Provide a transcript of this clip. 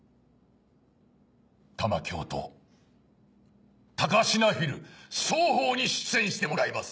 玉響と高階フィル双方に出演してもらいます。